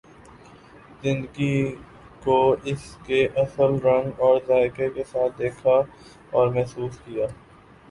زندگی کو اس کے اصل رنگ اور ذائقہ کے ساتھ دیکھا اور محسوس کیا